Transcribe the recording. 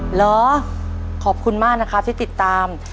เหรอขอบคุณมากนะครับที่ติดตาม